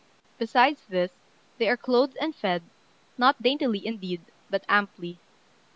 besides this, they are clothed and fed, not daintily indeed, but amply.